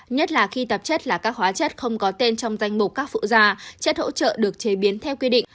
nhất là khi tạp chất là các hóa chất không có tên trong danh mục các phụ gia chất hỗ trợ được chế biến theo quy định